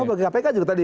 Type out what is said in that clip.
kau bagi kpk juga tadi